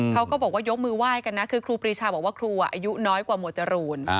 เขาก็บอกว่ายกมือไหว้กันนะคือครูปรีชาบอกว่าครูอายุน้อยกว่าหมวดจรูน